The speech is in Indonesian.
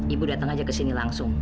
ibu datang aja kesini langsung